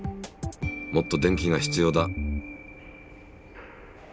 もっと電気が必要だ。